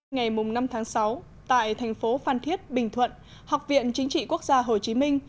ngày năm tháng sáu tại thành phố phan thiết bình thuận học viện chính trị quốc gia hồ chí minh